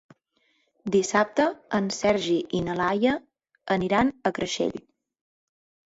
Dissabte en Sergi i na Laia aniran a Creixell.